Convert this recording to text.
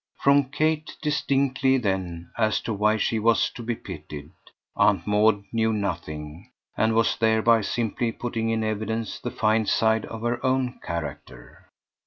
From Kate distinctly then, as to why she was to be pitied, Aunt Maud knew nothing, and was thereby simply putting in evidence the fine side of her own character.